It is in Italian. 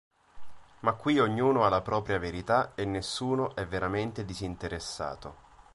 Ma qui ognuno ha la propria verità e nessuno è veramente disinteressato.